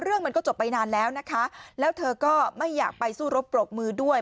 มันก็จบไปนานแล้วนะคะแล้วเธอก็ไม่อยากไปสู้รบปรบมือด้วย